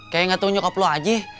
kayak gak tau nyokap lo aja